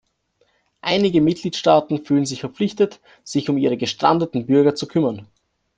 Einige Mitgliedstaaten fühlen sich verpflichtet, sich um ihre gestrandeten Bürger zu kümmern.